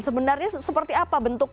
sebenarnya seperti apa bentuk